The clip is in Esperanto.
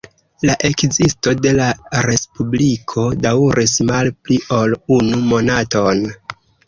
La ekzisto de la respubliko daŭris malpli ol unu monaton.